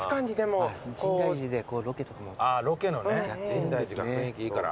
深大寺が雰囲気いいから。